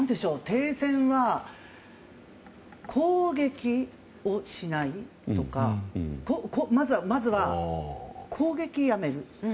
停戦は、攻撃をしないとかまずは攻撃をやめる。